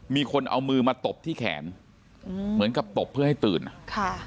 มีคนเอามือมาตบที่แขนอืมเหมือนกับตบเพื่อให้ตื่นอ่ะค่ะ